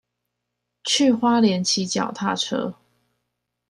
去花蓮騎腳踏車